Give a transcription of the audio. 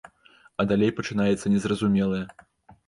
А далей пачынаецца незразумелае.